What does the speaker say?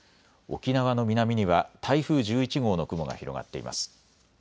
沖縄の南には台風１１号の雲が広がっています。